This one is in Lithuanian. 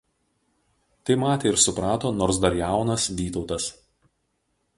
Tai matė ir suprato nors dar jaunas Vytautas.